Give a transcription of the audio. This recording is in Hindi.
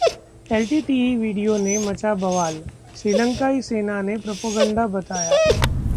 एलटीटीई वीडियो से मचा बवाल, श्रीलंकाई सेना ने प्रोपगेंडा बताया